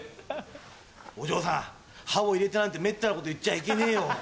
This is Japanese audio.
お嬢さん「歯を入れて」なんてめったなこと言っちゃいけねえよ。